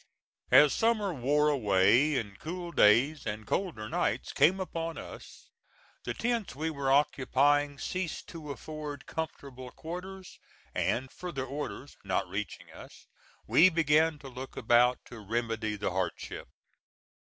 As summer wore away, and cool days and colder nights came upon us, the tents. We were occupying ceased to afford comfortable quarters; and "further orders" not reaching us, we began to look about to remedy the hardship.